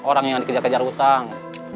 orang yang dikejar kejar utang